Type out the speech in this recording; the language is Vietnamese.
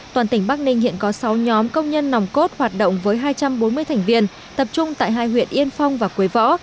toàn tỉnh bắc ninh hiện có sáu nhóm công nhân nòng cốt hoạt động với hai trăm bốn mươi thành viên tập trung tại hai huyện yên phong và quế võ